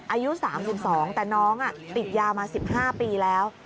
อายุ๓๒แต่น้องติดยามา๑๕ปีแล้ว